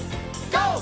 ＧＯ！